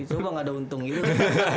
coba nggak ada untung gitu